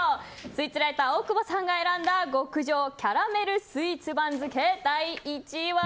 スイーツライター大久保さんが選んだ極上キャラメルスイーツ番付第１位は。